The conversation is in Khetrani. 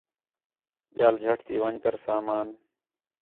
ٻِیال جھٹ تی ون٘ڄ کر سامان